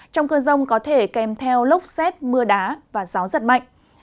trong cơn rông có thể kèm theo lốc xét mưa đá và gió giật mạnh